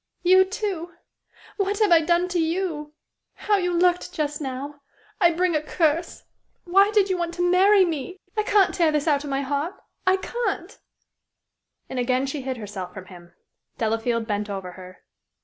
"You, too! What have I done to you? How you looked, just now! I bring a curse. Why did you want to marry me? I can't tear this out of my heart I can't!" And again she hid herself from him. Delafield bent over her.